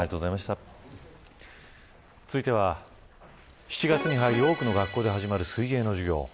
続いては、７月に入り多くの学校で始まる水泳の授業。